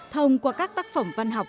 thông qua các tác phẩm văn học